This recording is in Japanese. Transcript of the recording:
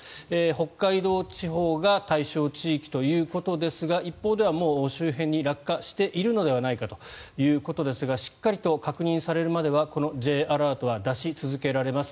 北海道地方が対象地域ということですが一報ではもう周辺に落下しているのではないかということですがしっかりと確認されるまではこのＪアラートは出し続けられます。